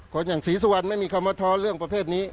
คนอย่างศรีสุวรรณไม่มีคำมาท้อนเรื่องประเภทนี้